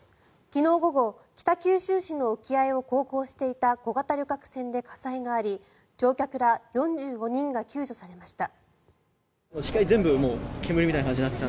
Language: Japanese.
昨日午後北九州市の沖合を航行していた小型旅客船で火災があり乗客ら４５人が救助されました。